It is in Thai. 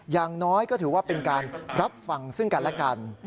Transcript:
อย่างน้อยก็ถือว่าเป็นการรับฟังซึ่งกันและกัน